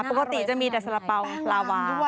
ปกติจะมีแต่สาระเป๋าปลาวา